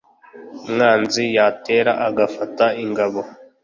umwanzi yatera, agafata ingabo!